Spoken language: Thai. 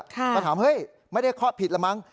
ก็ถามเฮ้ยไม่ได้คลอดผิดแล้วมั้ง